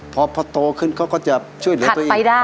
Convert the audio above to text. พอโตขึ้นเขาก็จะช่วยเหลือตัวเองไม่ได้